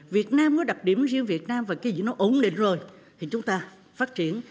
việt nam có đặc điểm riêng việt nam và cái gì nó ổn định rồi thì chúng ta phát triển